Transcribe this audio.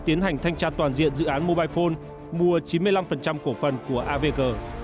thanh tra toàn diện dự án mobile phone mua chín mươi năm của phần của avg